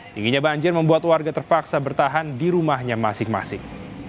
tingginya banjir membuat warga terpaksa bertahan di rumahnya masing masing